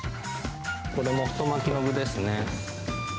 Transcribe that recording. これも太巻きの具ですね。